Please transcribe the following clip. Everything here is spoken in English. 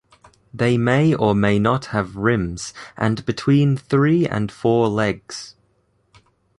They may or may not have rims and between three and four legs.